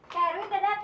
karwin udah datang